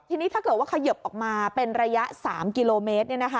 ทีนี้ถ้าเกิดว่าเขยิบออกมาเป็นระยะ๓กิโลเมตร